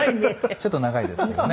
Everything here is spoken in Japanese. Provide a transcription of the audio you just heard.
ちょっと長いですけどね。